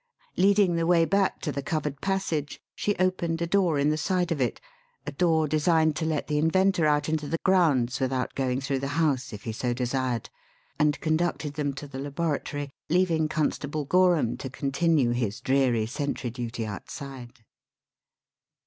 Leading the way back to the covered passage, she opened a door in the side of it a door designed to let the inventor out into the grounds without going through the house, if he so desired and conducted them to the laboratory, leaving Constable Gorham to continue his dreary sentry duty outside.